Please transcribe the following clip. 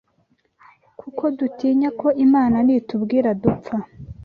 kuko dutinya ko Imana nitubwira dupfa